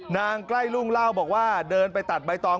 ใกล้รุ่งเล่าบอกว่าเดินไปตัดใบตอง